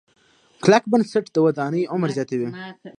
کلک بنسټ د ودانۍ عمر زیاتوي.